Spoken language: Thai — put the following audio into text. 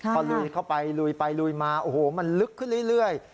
พอลุยเข้าไปลุยไปลุยมาโอ้โหมันลึกขึ้นเรื่อย